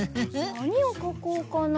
なにをかこうかな。